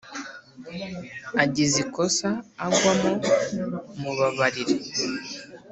agize ikosa agwamo mubabarire